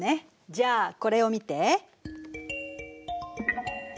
じゃあこれを見て。